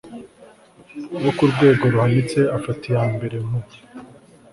wo ku rwego ruhanitse afata iyambere mu